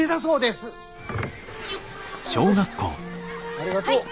ありがとう。